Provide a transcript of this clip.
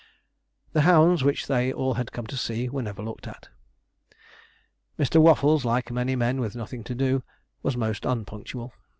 The hounds, which they all had come to see, were never looked at. Mr. Waffles, like many men with nothing to do, was most unpunctual.